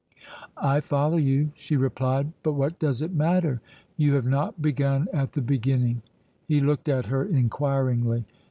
"I follow you," she replied; "but what does it matter? You have not begun at the beginning." He looked at her inquiringly.